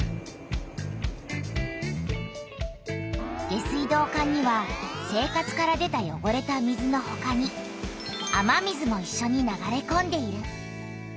下水道管には生活から出たよごれた水のほかに雨水もいっしょに流れこんでいる。